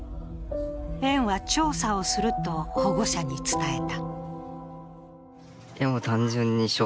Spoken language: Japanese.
園は調査をすると保護者に伝えた。